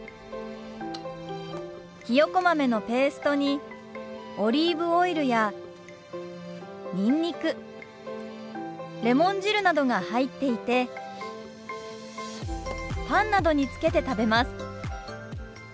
ひよこ豆のペーストにオリーブオイルやにんにくレモン汁などが入っていてパンなどにつけて食べます。